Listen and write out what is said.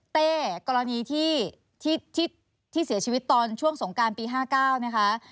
เต้กรณีที่เสียชีวิตตอนช่วงสงการปี๕๙นะคะ